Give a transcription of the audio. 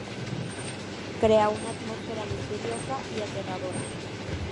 Crea una atmósfera misteriosa y aterradora.